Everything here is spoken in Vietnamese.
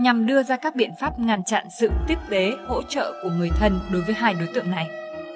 nhằm đưa ra các biện pháp ngăn chặn sự tiếp tế hỗ trợ của người thân đối với hai đối tượng này